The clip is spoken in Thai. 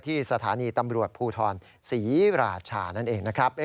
ที่สถานีตำรวจภูทรศรีราชานั่นเองนะครับ